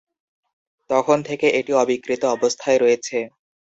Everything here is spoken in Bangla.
তখন থেকে এটি অবিকৃত অবস্থায় রয়েছে।